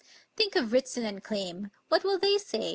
"Think of Writson & Clame. What will they say?"